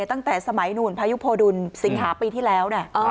ตั้งแต่สมัยนู่นพายุโพดุลสิงหาปีที่แล้ว